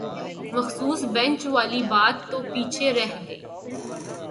مخصوص بینچ والی بات تو پیچھے رہ گئی